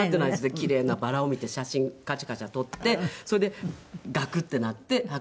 奇麗なバラを見て写真カチャカチャ撮ってそれでガクッてなって剥離骨折して。